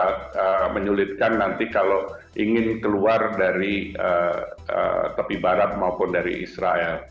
mungkin akan menjadi suatu kesalahan nanti kalau ingin keluar dari tepi barat maupun dari israel